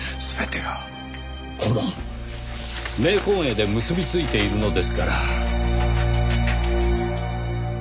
全てがこの冥婚絵で結びついているのですから。